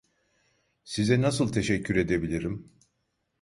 Size nasıl teşekkür edebilirim?